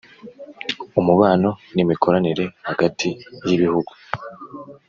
umubano n imikoranire hagati y ibihugu